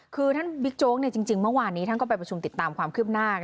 คือท่านบิ๊กโจ๊กจริงเมื่อวานนี้ท่านก็ไปประชุมติดตามความคืบหน้า